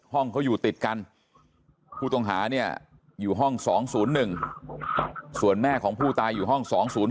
ห้องเขาอยู่ติดกันผู้ต้องหาเนี่ยอยู่ห้อง๒๐๑ส่วนแม่ของผู้ตายอยู่ห้อง๒๐๔